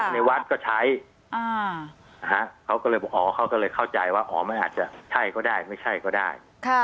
ในวัดก็ใช้เขาก็เลยเข้าใจว่าอ๋อไม่อาจจะใช่ก็ได้ไม่ใช่ก็ได้